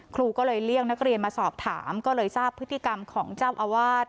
ครูก็เลยเรียกนักเรียนมาสอบถามก็เลยทราบพฤติกรรมของเจ้าอาวาส